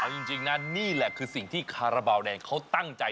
เอาจริงนะนี่แหละคือสิ่งที่คาราบาลแดงเขาตั้งใจ